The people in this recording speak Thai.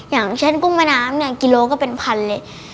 อย่างเช่นกุ้งแม่น้ำเนี่ยกิโลก็เป็นพันเลย